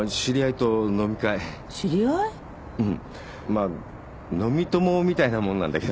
まあ飲み友みたいなもんなんだけど。